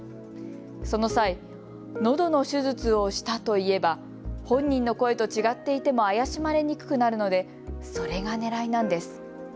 その際、のどの手術をしたと言えば本人の声と違っていても怪しまれにくくなるのでそれがねらいなんです。